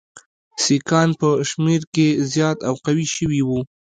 سیکهان په شمېر کې زیات او قوي شوي وو.